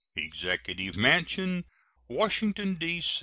] EXECUTIVE MANSION, _Washington, D.